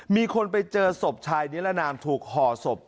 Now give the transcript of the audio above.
มีคนไปเจอศพชายนิรนามถูกห่อศพ